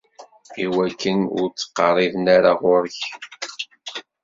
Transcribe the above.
Iwakken ur d-ttqerriben ara ɣur-k.